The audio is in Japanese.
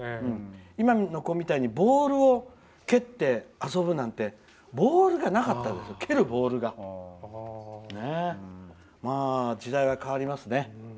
今の子みたいにボールを蹴って遊ぶなんて蹴るボールがなかったですよ。時代が変わりますね。